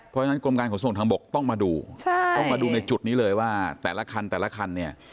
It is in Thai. เพราะฉะนั้นกรมการขนส่งทางบกต้องมาดูใช่ต้องมาดูในจุดนี้เลยว่าแต่ละคันแต่ละคันเนี่ย